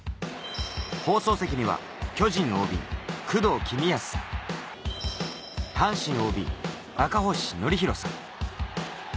放送席には巨人のＯＢ・工藤公康、阪神ＯＢ・赤星憲広さん。